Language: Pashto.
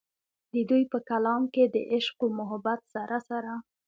د دوي پۀ کلام کښې د عشق و محبت سره سره